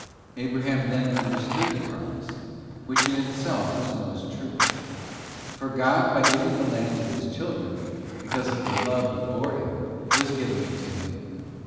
Abraham then under stood the promise, which in itself was most true: for God by giving the land to his children, because of the love He bore him, was giving it to him.